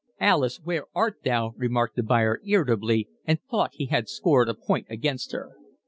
"Alice, where art thou?" remarked the buyer, irritably, and thought he had scored a point against her.